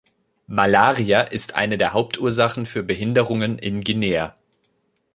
Malaria ist eine der Hauptursachen für Behinderungen in Guinea.